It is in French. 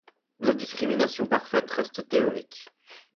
La discrimination parfaite reste théorique.